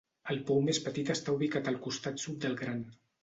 El pou més petit està ubicat al costat sud del gran.